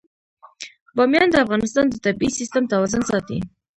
بامیان د افغانستان د طبعي سیسټم توازن ساتي.